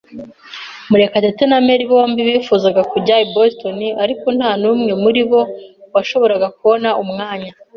Murekatete na Mary bombi bifuzaga kujya i Boston, ariko nta n'umwe muri bo washoboraga kubona umwanya.